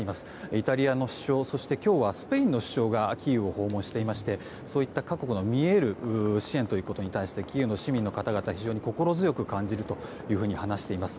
イタリアの首相そして今日は、スペインの首相がキーウを訪問していましてそういった覚悟が見える支援ということに対してキーウの市民の方々、非常に心強く感じると話しています。